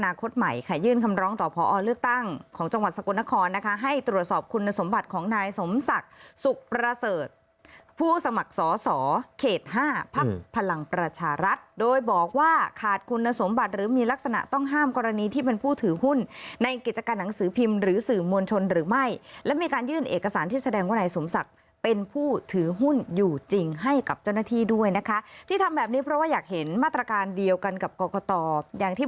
แนนใหม่ในวันหน้าที่๑นครปฐมต้องมีการนับคะแนนใหม่ในวันหน้าที่๑นครปฐมต้องมีการนับคะแนนใหม่ในวันหน้าที่๑นครปฐมต้องมีการนับคะแนนใหม่ในวันหน้าที่๑นครปฐมต้องมีการนับคะแนนใหม่ในวันหน้าที่๑นครปฐมต้องมีการนับคะแนนใหม่ในวันหน้าที่๑นครปฐมต้องมีการนับคะแนนใหม่ในวันหน้าที่๑